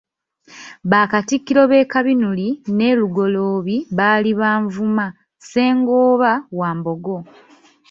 Bakatikkiro be Kabinuli ne Lugoloobi baali ba Nvuma, Ssengooba wa Mbogo.